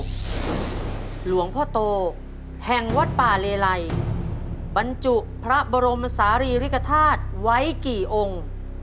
หลวงพ่อโตแห่งวัดป่าเลไลบรรจุพระบรมศาลีริกฐาตุไว้กี่องค์